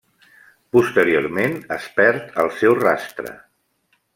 Posteriorment es perd el seu rastre.